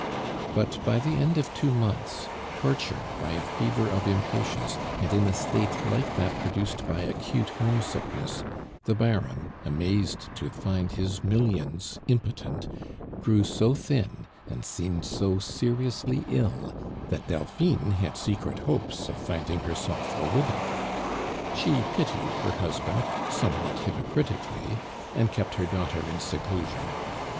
But by the end of two months, tortured by a fever of impatience, and in a state like that produced by acute home sickness, the Baron, amazed to find his millions impotent, grew so thin, and seemed so seriously ill, that Delphine had secret hopes of finding herself a widow. She pitied her husband, somewhat hypocritically, and kept her daughter in seclusion.